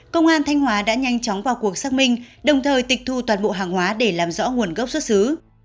công an thanh hóa đã nhanh chóng vào cuộc xác minh đồng thời tịch thu toàn bộ hàng hóa để làm rõ nguồn gốc xuất xứ